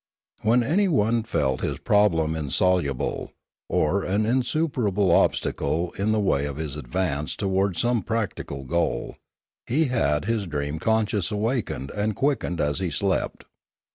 When anyone felt his problem insoluble, or an insuperable obstacle in the way of his advance towards some practical goal, he had his dream con sciousness awakened and quickened as he slept.